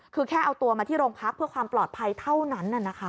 คือแค่เอาตัวมาที่โรงพักเพื่อความปลอดภัยเท่านั้น